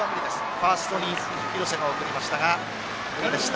ファーストに廣瀬が送りましたが駄目でした。